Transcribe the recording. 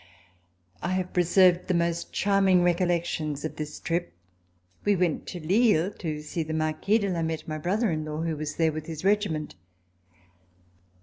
I have preserved the most charming recollections of this trip. We went to Lille to see the Marquis de Lameth, my brother in law, who was there with his regiment.